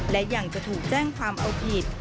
และยังจะถูกแจ้งความเอาผิด